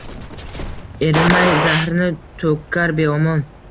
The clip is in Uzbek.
Erinmay zahrini to’kar beomon.